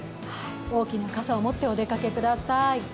大きな傘を持ってお出かけください。